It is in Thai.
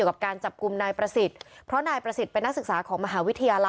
กับการจับกลุ่มนายประสิทธิ์เพราะนายประสิทธิ์เป็นนักศึกษาของมหาวิทยาลัย